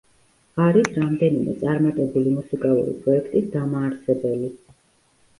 არის რამდენიმე წარმატებული მუსიკალური პროექტის დამაარსებელი.